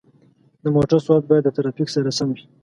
د موټر سرعت باید د ترافیک سره سم وي.